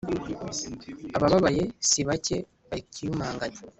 abababaye si bake bakiyumanganya